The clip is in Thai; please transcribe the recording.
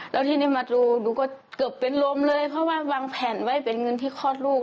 แล้วทีนี้มาดูหนูก็เกือบเป็นลมเลยเพราะว่าวางแผนไว้เป็นเงินที่คลอดลูก